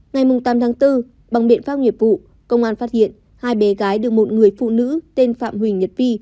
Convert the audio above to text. ngày tám tháng bốn bằng biện pháp nghiệp vụ công an phát hiện hai bé gái được một người phụ nữ tên phạm huỳnh nhật vi